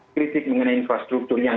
kritik mengenai infrastruktur yang